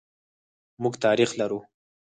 موږ تاریخ لرو.